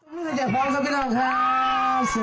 พระครูฟังคิดว่าเราไม่ภาควอลวนไปแล้วเลย